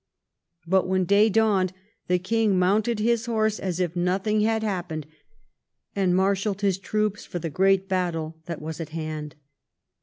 But when day dawned the king mounted his horse as if nothing had happened, and marshalled his troops for the great battle that was at hand.